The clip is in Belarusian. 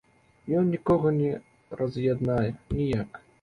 Ён нікога не раз'яднае ніяк.